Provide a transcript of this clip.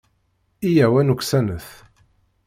Yyaw ad nuksanet.